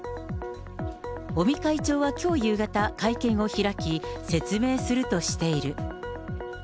尾身会長はきょう夕方、会見を開き、説明するとしている。